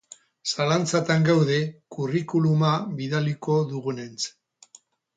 Zalantzatan gaude curriculuma bidaliko dugunentz.